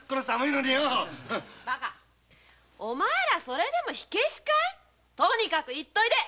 それでも火消しかいとにかく行っといでよ！